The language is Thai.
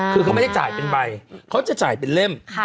คือเขาไม่ได้จ่ายเป็นใบเขาจะจ่ายเป็นเล่ม